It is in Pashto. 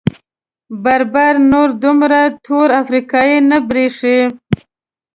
بربر نور دومره تور افریقايي نه برېښي.